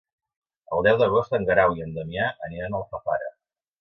El deu d'agost en Guerau i en Damià aniran a Alfafara.